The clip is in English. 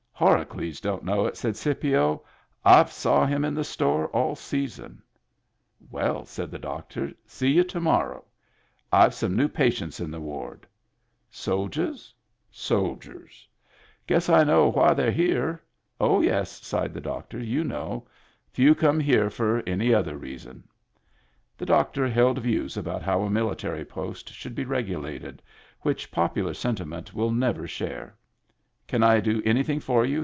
"Horacles don't know it," said Scipio. "I've saw him in the store all season." "Well," said the doctor, "see you to morrow. I've some new patients in the ward." "Soldiers?" Digitized by Google 34 MEMBERS OF THE FAMILY "Soldiers." " Guess I know why they're here." "Oh, yes," sighed the doctor. "You know. Few come here for any other reason." The doctor held views about how a military post should be regulated, which popular sentiment will never share. " Can I do anything for you